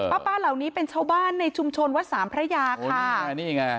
ป้าป้าเหล่านี้เป็นชาวบ้านในชุมชนวัดสามพระยาค่ะอ่านี่ไง